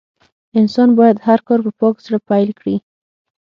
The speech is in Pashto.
انسان بايد هر کار په پاک زړه پيل کړي.